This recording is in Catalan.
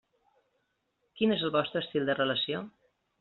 Quin és el vostre estil de relació?